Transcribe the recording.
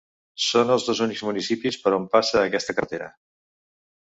Són els dos únics municipis per on passa aquesta carretera.